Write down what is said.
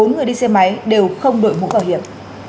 bốn người đi xe máy đều không đổi mũ bảo hiểm